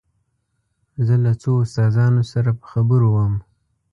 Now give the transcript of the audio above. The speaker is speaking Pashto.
زه له څو استادانو سره په خبرو وم.